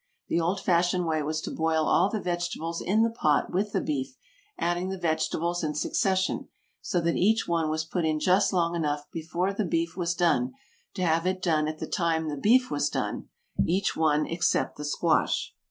The old fashioned way was to boil all the vegetables in the pot with the beef, adding the vegetables in succession, so that each one was put in just long enough before the beef was done to have it done at the time the beef was done; each one except the squash.